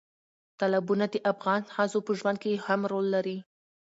تالابونه د افغان ښځو په ژوند کې هم رول لري.